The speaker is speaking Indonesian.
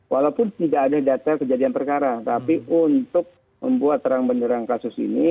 walaupun tidak ada data kejadian perkara tapi untuk membuat terang benderang kasus ini